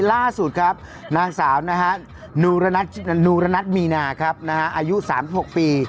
ล่าสุดครับนางสาวนะฮะนูรณัตมีนาครับนะฮะอายุสามสิบหกปี